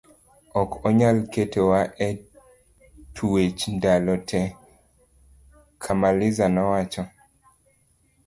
ok onyal keto wa e twech ndalo te, Kamaliza nowacho